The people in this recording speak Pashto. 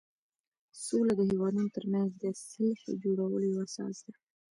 سوله د هېوادونو ترمنځ د صلحې جوړولو یوه اساس ده.